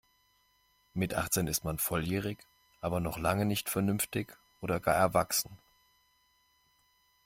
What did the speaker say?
Mit achtzehn ist man volljährig aber noch lange nicht vernünftig oder gar erwachsen.